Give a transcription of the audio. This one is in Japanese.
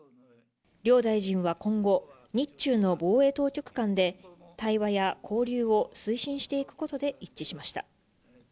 両大臣は今後、日中の防衛当局間で、対話や交流を推進していくことで一致しました。